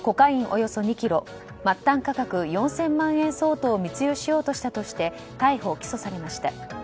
およそ２ｋｇ末端価格４０００万円相当を密輸しようとしたとして逮捕・起訴されました。